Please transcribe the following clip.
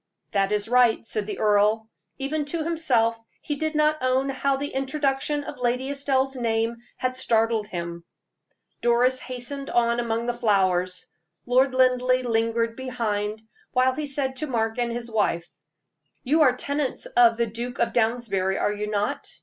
"That is right," said the earl. Even to himself he did not own how the introduction of Lady Estelle's name had startled him. Doris hastened on among the flowers. Lord Linleigh lingered behind, while he said to Mark and his wife: "You are tenants of the Duke of Downsbury, are you not?"